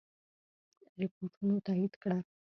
رپوټونو تایید کړه.